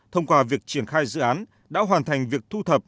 thông qua việc triển khai dự án đã hoàn thành việc thu tục hành chính